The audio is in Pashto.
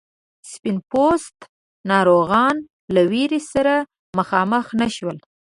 سپین پوستو ناروغیو له ویرې سره مخامخ نه شول.